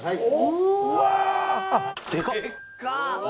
うわ